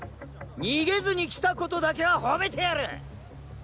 逃げずに来たことだけはほめてやる！